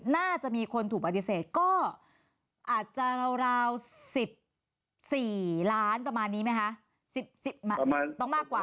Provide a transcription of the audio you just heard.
น่าจะมีคนถูกอดิเศษก็อาจจะราว๑๔ล้านประมาณนี้ไหมคะ